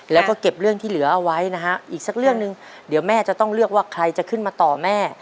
แล้วก็เก็บเรื่องที่เหลือเอาไว้นะฮะอีกสักเรื่องหนึ่งเดี๋ยวแม่จะต้องเลือกว่าใครจะขึ้นมาต่อแม่